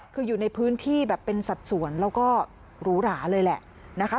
คืออยู่ในพื้นที่แบบเป็นสัดส่วนแล้วก็หรูหราเลยแหละนะคะ